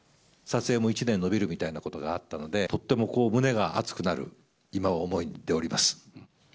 撮影も１年延びるみたいなことがあったので、とっても胸が熱くなる今、思いでおります。